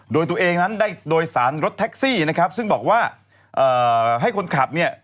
โดยตัวเองนั้นได้โดยสารรถแท็กซี่นะครับซึ่งบอกว่าเอ่อให้คนขับเนี่ย